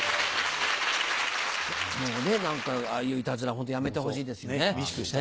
何かああいういたずらホントやめてほしいですよね。